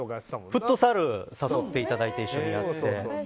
フットサル誘っていただいて一緒にやって。